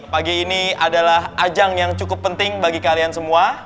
pagi ini adalah ajang yang cukup penting bagi kalian semua